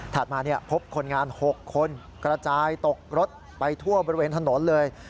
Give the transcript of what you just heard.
มาพบคนงาน๖คนกระจายตกรถไปทั่วบริเวณถนนเลย